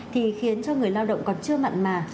thì khiến cho người lao động còn chưa mặn mà